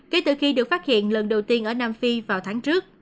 kể từ khi được phát hiện lần đầu tiên ở nam phi vào tháng trước